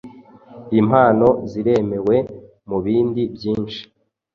Impano ziremewe mubindi byinshi